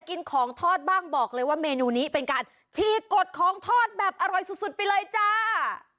กินของทอดบ้างบอกเลยว่าเมนูนี้เป็นการฉีกดของทอดแบบอร่อยสุดไปเลยจ้า